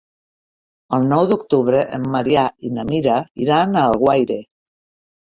El nou d'octubre en Maria i na Mira iran a Alguaire.